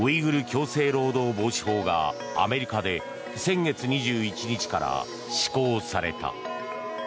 強制労働防止法がアメリカで先月２１日から施行された。